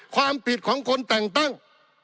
ความผิดของคนแต่งตั้ง